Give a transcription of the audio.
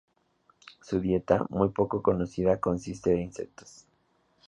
Su dieta, muy poco conocida, consiste de insectos.